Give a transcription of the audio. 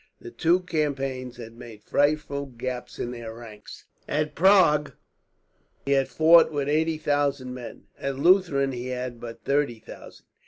The two campaigns had made frightful gaps in their ranks. At Prague he had fought with eighty thousand men, at Leuthen he had but thirty thousand.